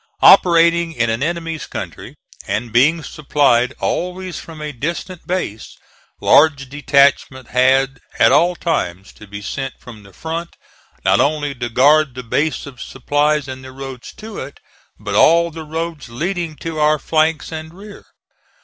Operating in an enemy's country, and being supplied always from a distant base, large detachments had at all times to be sent from the front, not only to guard the base of supplies and the roads to it, but all the roads leading to our flanks and rear.